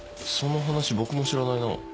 その話僕も知らないな。